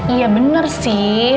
iya bener sih